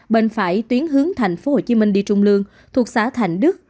bên phải tuyến hướng thành phố hồ chí minh đi trung lương thuộc xã thành đức